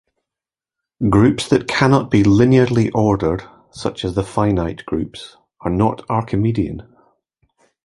Groups that cannot be linearly ordered, such as the finite groups, are not Archimedean.